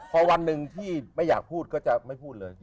พอวันหนึ่งที่ไม่อยากพูดก็จะไม่พูดเลย